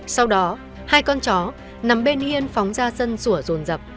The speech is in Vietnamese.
sau đó hai con chó nằm bên hiên phóng ra sân sủa rồn dập